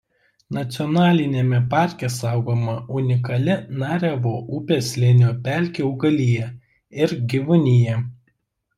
Nacionaliniame parke saugoma unikali Narevo upės slėnio pelkių augalija ir gyvūnija.